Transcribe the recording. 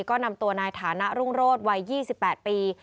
ก็นำตัวนายฐานะรุ่งโรศวัย๒๘ปี